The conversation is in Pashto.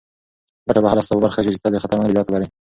ګټه به هله ستا په برخه شي چې ته د خطر منلو جرات ولرې.